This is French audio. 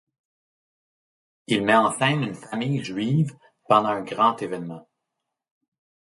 Il met en scène une famille juive pendant un grand évènement.